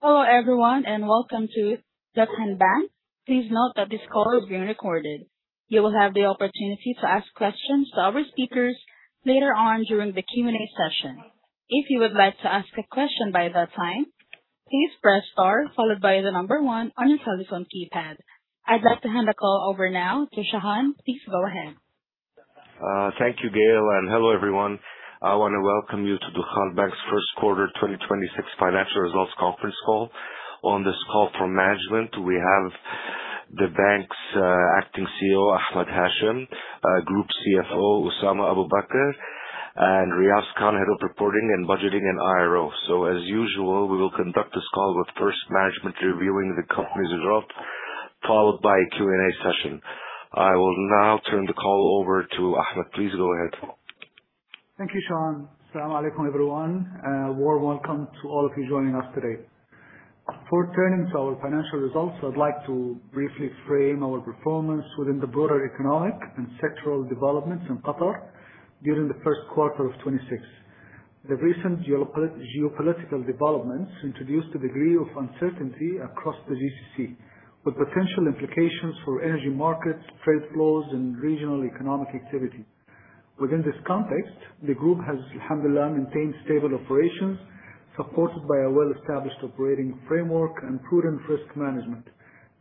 Hello, everyone, welcome to Dukhan Bank. Please note that this call is being recorded. You will have the opportunity to ask questions to our speakers later on during the Q&A session. If you would like to ask a question by that time, please press star followed by 1 on your telephone keypad. I'd like to hand the call over now to Shahan. Please go ahead. Thank you, Gail, hello, everyone. I want to welcome you to Dukhan Bank's first quarter 2026 financial results conference call. On this call from management, we have the bank's Acting CEO, Ahmed Hashem, Group CFO, Osama Abu Baker, and Riaz Khan, Head of Reporting and Budgeting and IRO. As usual, we will conduct this call with first management reviewing the company's results, followed by a Q&A session. I will now turn the call over to Ahmed. Please go ahead. Thank you, Shahan. Asalaumwaleikum, everyone. A warm welcome to all of you joining us today. Before turning to our financial results, I'd like to briefly frame our performance within the broader economic and sectoral developments in Qatar during the first quarter of 2026. The recent geopolitical developments introduced a degree of uncertainty across the GCC, with potential implications for energy markets, trade flows, and regional economic activity. Within this context, the group has, thank God, maintained stable operations supported by a well-established operating framework and prudent risk management.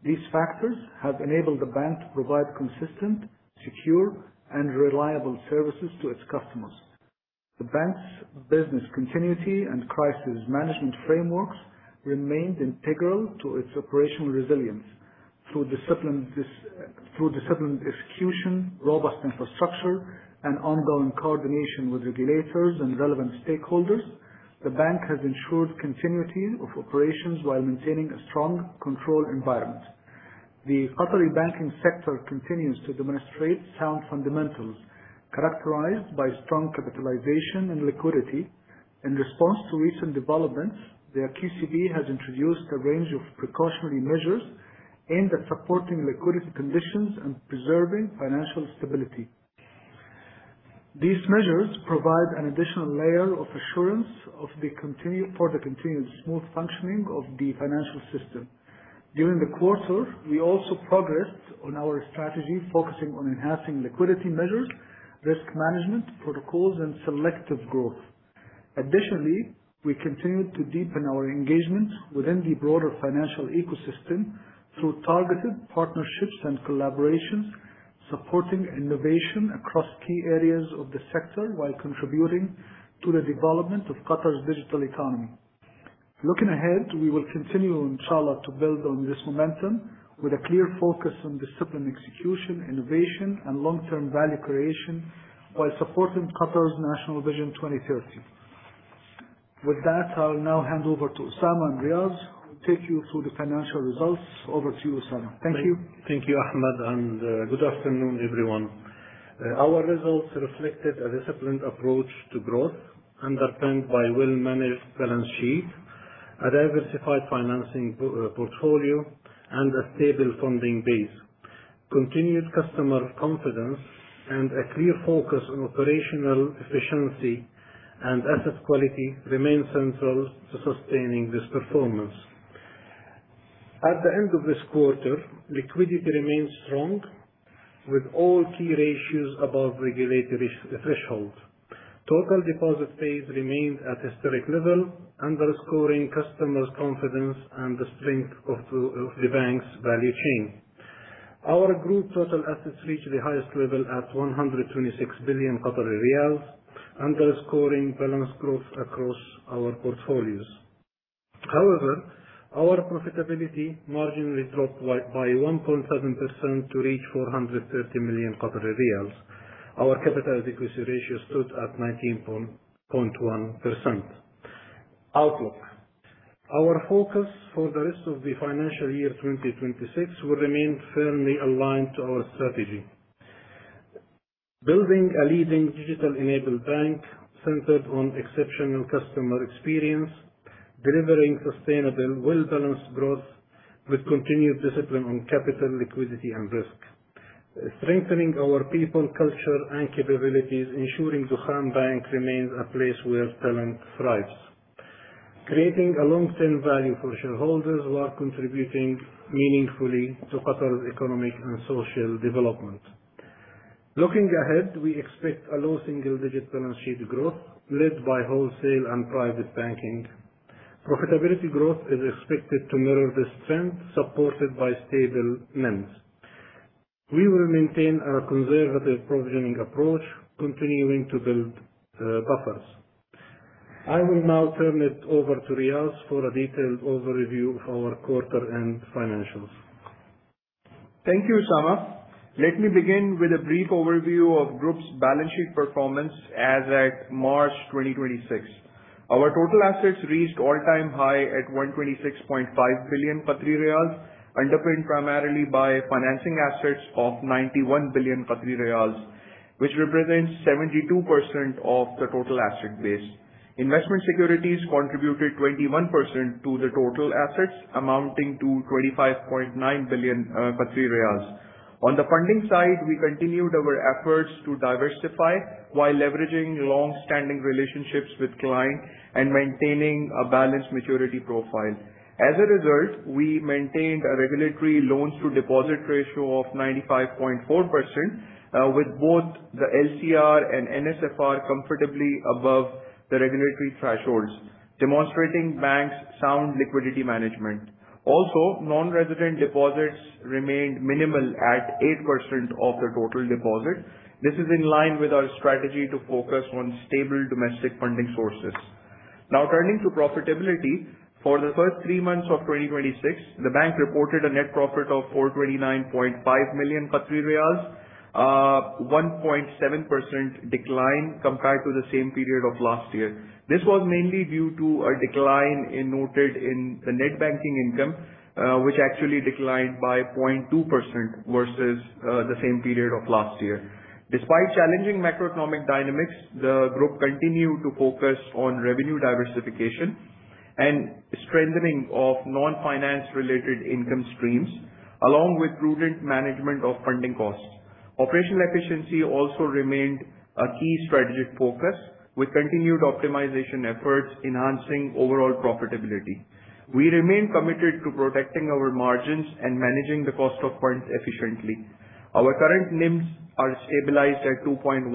These factors have enabled the bank to provide consistent, secure, and reliable services to its customers. The bank's business continuity and crisis management frameworks remained integral to its operational resilience through disciplined execution, robust infrastructure, and ongoing coordination with regulators and relevant stakeholders. The bank has ensured continuity of operations while maintaining a strong control environment. The Qatari banking sector continues to demonstrate sound fundamentals characterized by strong capitalization and liquidity. In response to recent developments, the QCB has introduced a range of precautionary measures aimed at supporting liquidity conditions and preserving financial stability. These measures provide an additional layer of assurance for the continued smooth functioning of the financial system. During the quarter, we also progressed on our strategy focusing on enhancing liquidity measures, risk management protocols, and selective growth. We continued to deepen our engagement within the broader financial ecosystem through targeted partnerships and collaborations, supporting innovation across key areas of the sector while contributing to the development of Qatar's digital economy. Looking ahead, we will continue, Inshallah, to build on this momentum with a clear focus on disciplined execution, innovation, and long-term value creation while supporting Qatar's National Vision 2030. With that, I will now hand over to Osama and Riaz, who will take you through the financial results. Over to you, Osama. Thank you. Thank you, Ahmed. Good afternoon, everyone. Our results reflected a disciplined approach to growth underpinned by well-managed balance sheet, a diversified financing portfolio, and a stable funding base. Continued customer confidence and a clear focus on operational efficiency and asset quality remain central to sustaining this performance. At the end of this quarter, liquidity remains strong with all key ratios above regulatory thresholds. Total deposit base remained at historic level, underscoring customers' confidence and the strength of the Bank's value chain. Our group total assets reached the highest level at 126 billion Qatari riyals, underscoring balanced growth across our portfolios. However, our profitability margin dropped by 1.7% to reach QAR 430 million. Our capital adequacy ratio stood at 19.1%. Outlook. Our focus for the rest of the financial year 2026 will remain firmly aligned to our strategy. Building a leading digital-enabled bank centered on exceptional customer experience, delivering sustainable, well-balanced growth with continued discipline on capital, liquidity, and risk. Strengthening our people, culture, and capabilities, ensuring Dukhan Bank remains a place where talent thrives. Creating a long-term value for shareholders while contributing meaningfully to Qatar's economic and social development. Looking ahead, we expect a low single-digit balance sheet growth led by wholesale and private banking. Profitability growth is expected to mirror this trend, supported by stable NIMS. We will maintain our conservative provisioning approach, continuing to build buffers. I will now turn it over to Riaz for a detailed overview of our quarter and financials. Thank you, Osama. Let me begin with a brief overview of Group's balance sheet performance as at March 2026. Our total assets reached all-time high at 126.5 billion riyals, underpinned primarily by financing assets of 91 billion riyals, which represents 72% of the total asset base. Investment securities contributed 21% to the total assets, amounting to 25.9 billion riyals. On the funding side, we continued our efforts to diversify while leveraging long-standing relationships with clients and maintaining a balanced maturity profile. As a result, we maintained a regulatory loans to deposit ratio of 95.4%, with both the LCR and NSFR comfortably above the regulatory thresholds, demonstrating Bank's sound liquidity management. Also, non-resident deposits remained minimal at 8% of the total deposit. This is in line with our strategy to focus on stable domestic funding sources. Now turning to profitability. For the first three months of 2026, the Bank reported a net profit of 429.5 million Qatari riyals, a 1.7% decline compared to the same period of last year. This was mainly due to a decline noted in the net banking income, which actually declined by 0.2% versus the same period of last year. Despite challenging macroeconomic dynamics, the group continued to focus on revenue diversification and strengthening of non-finance related income streams, along with prudent management of funding costs. Operational efficiency also remained a key strategic focus, with continued optimization efforts enhancing overall profitability. We remain committed to protecting our margins and managing the cost of funds efficiently. Our current NIMs are stabilized at 2.1%.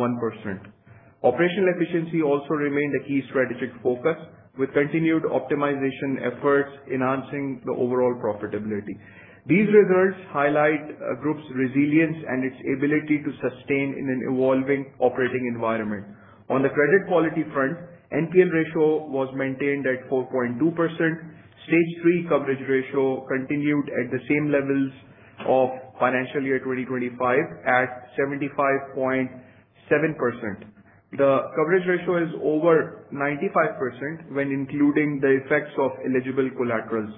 Operational efficiency also remained a key strategic focus with continued optimization efforts enhancing the overall profitability. These results highlight the group's resilience and its ability to sustain in an evolving operating environment. On the credit quality front, NPL ratio was maintained at 4.2%. Stage 3 coverage ratio continued at the same levels of financial year 2025 at 75.7%. The coverage ratio is over 95% when including the effects of eligible collaterals.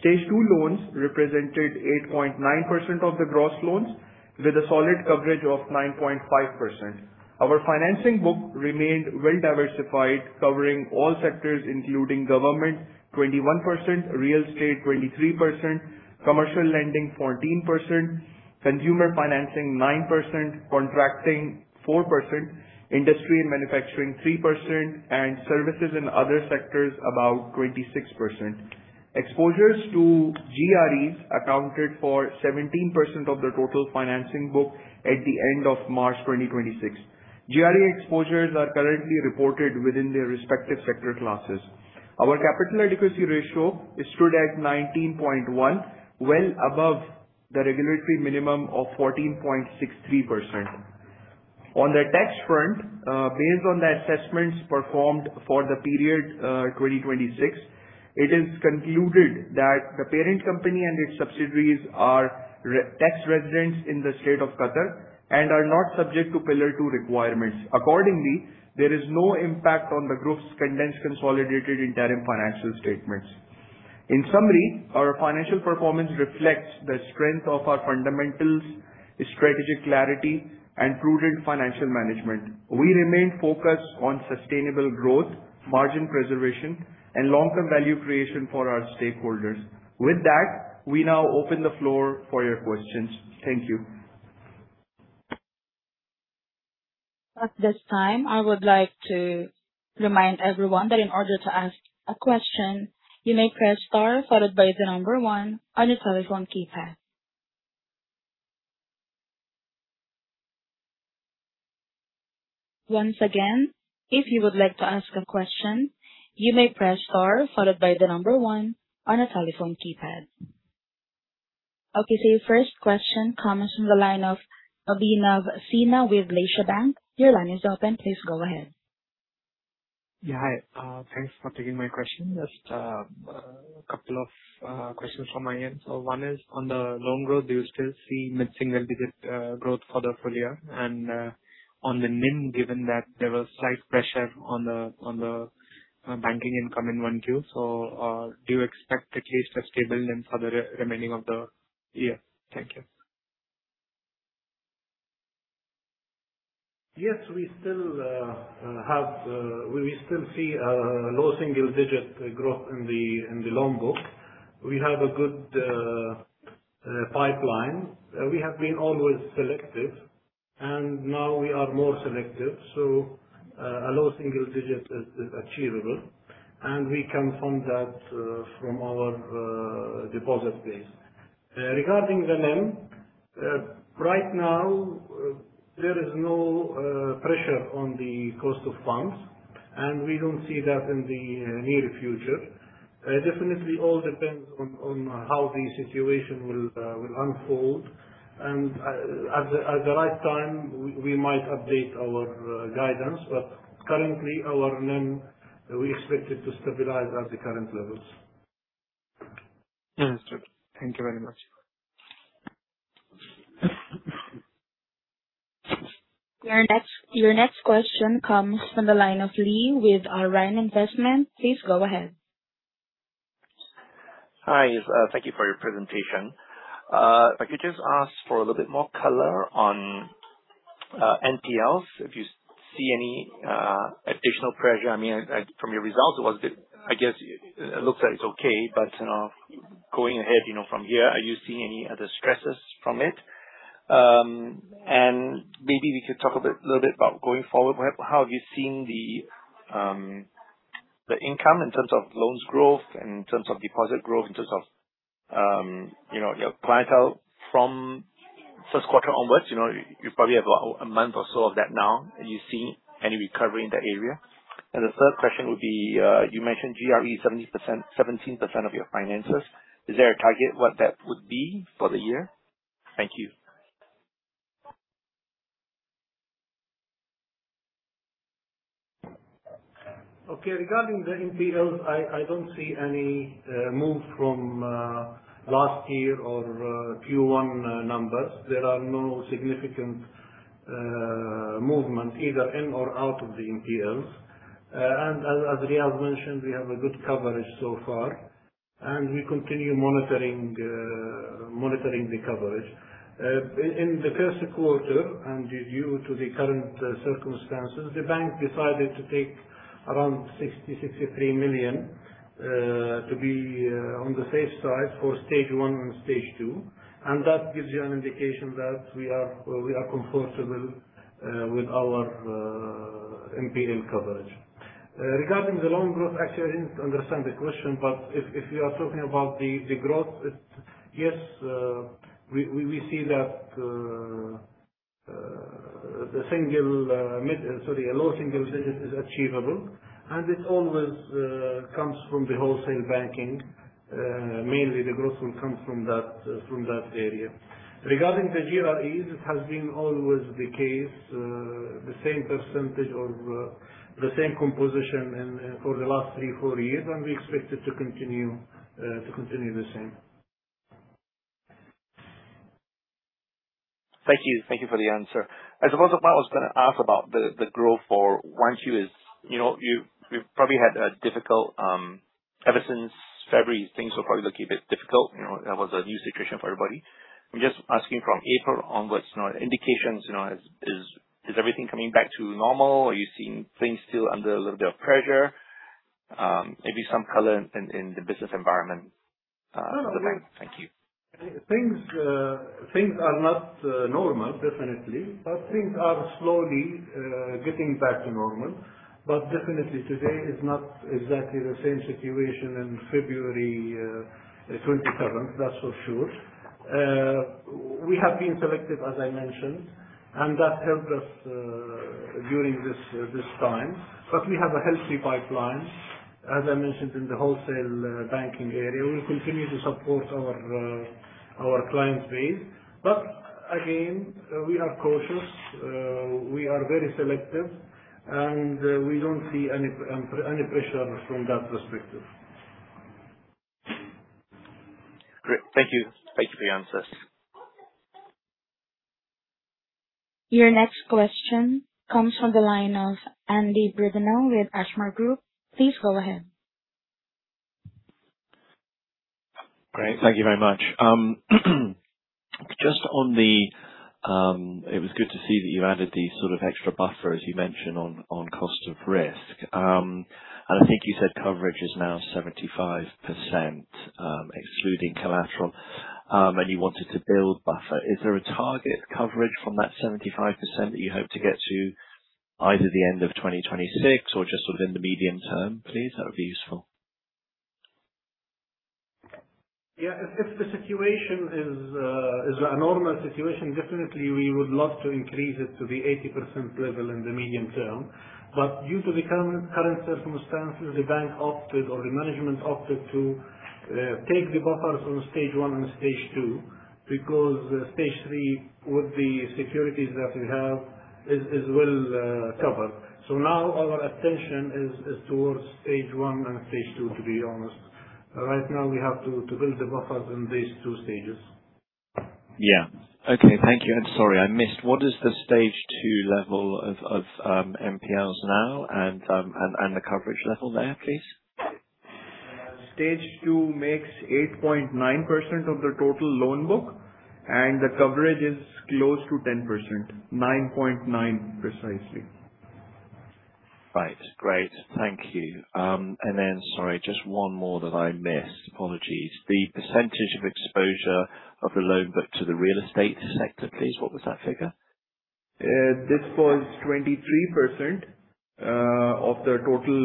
Stage 2 loans represented 8.9% of the gross loans, with a solid coverage of 9.5%. Our financing book remained well diversified, covering all sectors including government 21%, real estate 23%, commercial lending 14%, consumer financing 9%, contracting 4%, industry and manufacturing 3%, and services in other sectors about 26%. Exposures to GREs accounted for 17% of the total financing book at the end of March 2026. GRE exposures are currently reported within their respective sector classes. Our capital adequacy ratio stood at 19.1%, well above the regulatory minimum of 14.63%. On the tax front, based on the assessments performed for the period 2026, it is concluded that the parent company and its subsidiaries are tax residents in the state of Qatar and are not subject to Pillar Two requirements. Accordingly, there is no impact on the group's condensed consolidated interim financial statements. In summary, our financial performance reflects the strength of our fundamentals, strategic clarity, and prudent financial management. We remain focused on sustainable growth, margin preservation, and long-term value creation for our stakeholders. With that, we now open the floor for your questions. Thank you. At this time, I would like to remind everyone that in order to ask a question, you may press star followed by the number one on your telephone keypad. Once again, if you would like to ask a question, you may press star followed by the number one on a telephone keypad. Your first question comes from the line of Abhinav Sinha with Lesha Bank. Your line is open. Please go ahead. Yeah. Hi. Thanks for taking my question. Just a couple of questions from my end. One is on the loan growth. Do you still see mid-single-digit growth for the full year? On the NIM, given that there was slight pressure on the banking income in Q1, do you expect to keep the stability for the remaining of the year? Thank you. Yes, we still see a low-single-digit growth in the loan book. We have a good pipeline. We have been always selective, and now we are more selective. A low-single-digit is achievable, and we can fund that from our deposit base. Regarding the NIM, right now, there is no pressure on the cost of funds. We don't see that in the near future. Definitely all depends on how the situation will unfold. At the right time, we might update our guidance, but currently our NIM, we expect it to stabilize at the current levels. Understood. Thank you very much. Your next question comes from the line of Lee with Orion Investment. Please go ahead. Hi. Thank you for your presentation. If I could just ask for a little bit more color on NPLs, if you see any additional pressure. From your results, it looks like it's okay, but going ahead from here, are you seeing any other stresses from it? Maybe we could talk a little bit about going forward, how have you seen the income in terms of loans growth, in terms of deposit growth, in terms of your clientele from first quarter onwards. You probably have a month or so of that now. Do you see any recovery in the area? The third question would be, you mentioned GRE, 17% of your finances. Is there a target what that would be for the year? Thank you. Okay. Regarding the NPLs, I don't see any move from last year or Q1 numbers. There are no significant movement either in or out of the NPLs. As Riaz mentioned, we have a good coverage so far, and we continue monitoring the coverage. In the first quarter, due to the current circumstances, the bank decided to take around 63 million to be on the safe side for stage 1 and stage 2, and that gives you an indication that we are comfortable with our NPL coverage. Regarding the loan growth, actually, I didn't understand the question, but if you are talking about the growth, yes, we see that a low single digit is achievable and it always comes from the wholesale banking. Mainly, the growth will come from that area. Regarding the GREs, it has been always the case, the same percentage or the same composition for the last three, four years, and we expect it to continue the same. Thank you. Thank you for the answer. I suppose what I was going to ask about the growth for once you is, Ever since February, things were probably looking a bit difficult. That was a new situation for everybody. I'm just asking from April onwards, indications, is everything coming back to normal? Are you seeing things still under a little bit of pressure? Maybe some color in the business environment. Thank you. Things are not normal, definitely. Things are slowly getting back to normal. Definitely today is not exactly the same situation in February 27th, that's for sure. We have been selective, as I mentioned, and that helped us during this time. We have a healthy pipeline. As I mentioned in the wholesale banking area, we continue to support our client base. Again, we are cautious. We are very selective, and we don't see any pressure from that perspective. Great. Thank you. Thank you for the answers. Your next question comes from the line of Andy Brudenell with Ashmore Group. Please go ahead. Great. Thank you very much. It was good to see that you added the sort of extra buffer, as you mentioned on cost of risk. I think you said coverage is now 75%, excluding collateral, and you wanted to build buffer. Is there a target coverage from that 75% that you hope to get to either the end of 2026 or just within the medium term, please? That would be useful. If the situation is a normal situation, definitely we would love to increase it to the 80% level in the medium term. Due to the current circumstances, the bank opted or the management opted to take the buffers on stage 1 and stage 2 because stage 3, with the securities that we have, is well covered. Now our attention is towards stage 1 and stage 2, to be honest. Right now we have to build the buffers in these 2 stages. Thank you. Sorry, I missed. What is the stage 2 level of NPLs now and the coverage level there, please? Stage 2 makes 8.9% of the total loan book, the coverage is close to 10%. 9.9 precisely. Right. Great. Thank you. Sorry, just one more that I missed. Apologies. The percentage of exposure of the loan book to the real estate sector, please, what was that figure? This was 23% of the total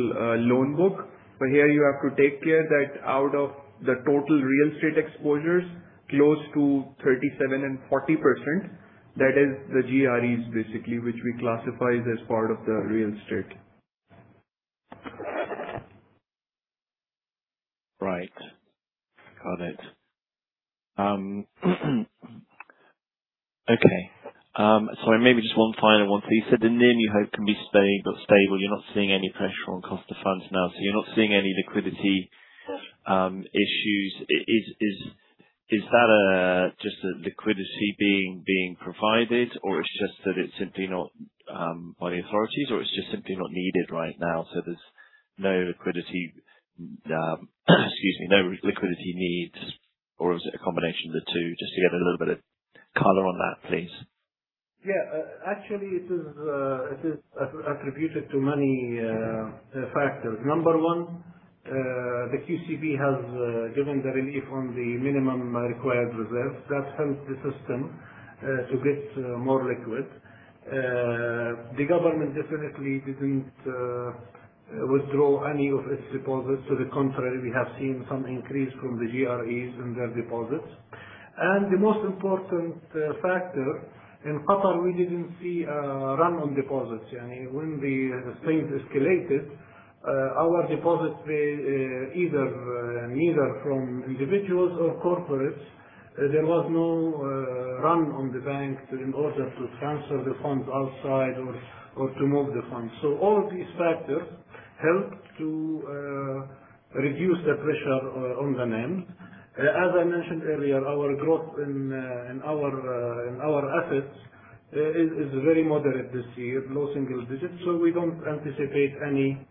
loan book. Here you have to take care that out of the total real estate exposures, close to 37% and 40%, that is the GREs basically, which we classify as part of the real estate. Right. Got it. Okay. Sorry, maybe just one final one. You said the NIM you hope can be stable. You're not seeing any pressure on cost of funds now. You're not seeing any liquidity issues. Is that just the liquidity being provided, or it's just that it's simply not by the authorities, or it's just simply not needed right now, so there's no liquidity needs or is it a combination of the two? Just to get a little bit of color on that, please. Yeah. Actually, it is attributed to many factors. Number one, the QCB has given the relief on the minimum required reserves. That helped the system to get more liquid. The government definitely didn't withdraw any of its deposits. To the contrary, we have seen some increase from the GREs in their deposits. The most important factor, in Qatar, we didn't see a run on deposits. When the state escalated, our deposits, neither from individuals or corporates, there was no run on the bank in order to transfer the funds outside or to move the funds. All these factors helped to reduce the pressure on the NIM. As I mentioned earlier, our growth in our assets is very moderate this year, low single digits. We don't anticipate any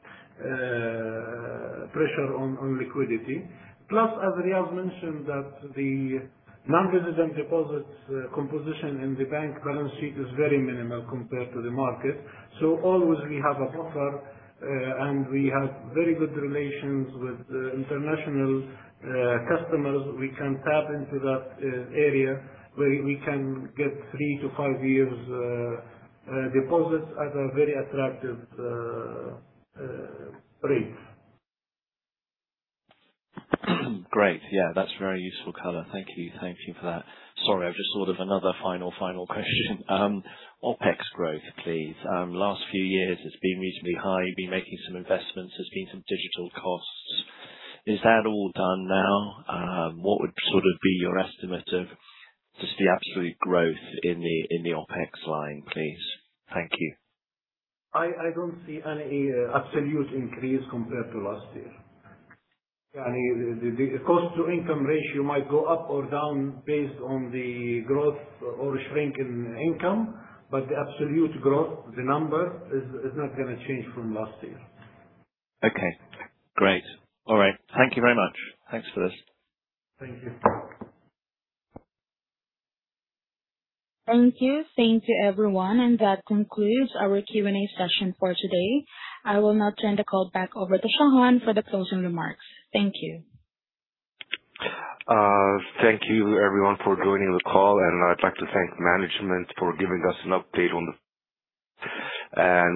pressure on liquidity. As Riaz mentioned, that the non-resident deposits composition in the bank balance sheet is very minimal compared to the market. Always we have a buffer, and we have very good relations with international customers. We can tap into that area where we can get three to five years deposits at a very attractive rate. Great. Yeah, that's very useful color. Thank you. Thank you for that. Sorry, I've just sort of another final question. OPEX growth, please. Last few years, it's been reasonably high. You've been making some investments. There's been some digital costs. Is that all done now? What would sort of be your estimate of just the absolute growth in the OPEX line, please? Thank you. I don't see any absolute increase compared to last year. The cost-to-income ratio might go up or down based on the growth or shrink in income, but the absolute growth, the number, is not going to change from last year. Okay, great. All right. Thank you very much. Thanks for this. Thank you. Thank you. Thank you, everyone. That concludes our Q&A session for today. I will now turn the call back over to Shahan for the closing remarks. Thank you. Thank you, everyone, for joining the call. I'd like to thank management for giving us an update.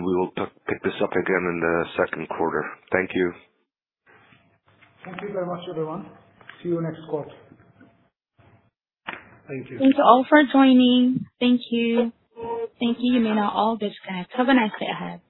We will pick this up again in the second quarter. Thank you. Thank you very much, everyone. See you next quarter. Thank you. Thanks all for joining. Thank you. Thank you. You may now all disconnect. Have a nice day ahead.